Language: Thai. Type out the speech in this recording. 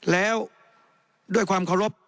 แล้วด้วยความเคารพ